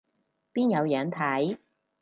邊有樣睇